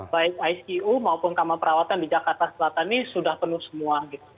baik icu maupun kamar perawatan di jakarta selatan ini sudah penuh semua